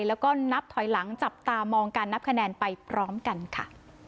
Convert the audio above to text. แล้วก็นับถอยหลังจับตามองการนับคะแนนไปพร้อมกันค่ะ